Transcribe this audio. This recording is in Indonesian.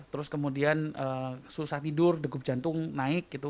terus kemudian susah tidur degup jantung naik gitu